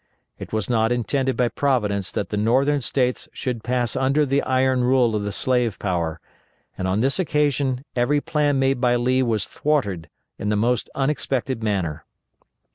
It was not intended by Providence that the Northern States should pass under the iron rule of the slave power, and on this occasion every plan made by Lee was thwarted in the most unexpected manner.